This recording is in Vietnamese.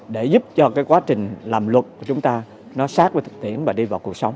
để giúp cho cái quá trình làm luật của chúng ta nó sát với thực tiễn và đi vào cuộc sống